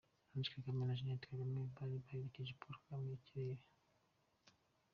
Ange Kagame na Jeannette Kagame bari baherekeje Paul Kagame i Kirehe.